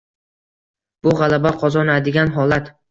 Bu g'alaba qozonadigan holat